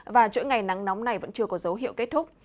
và chuỗi ngày nắng nóng này vẫn chưa có dấu hiệu kết thúc